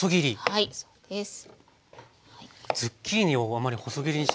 はいそうですね。